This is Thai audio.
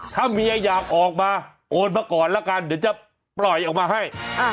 ถ้าเมียอยากออกมาโอนมาก่อนละกันเดี๋ยวจะปล่อยออกมาให้